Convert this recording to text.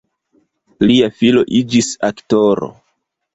Lia filo iĝis aktoro.